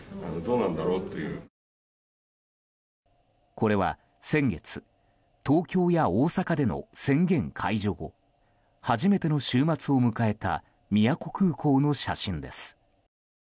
これは先月、東京や大阪での宣言解除後初めての週末を迎えた宮古空港の写真です。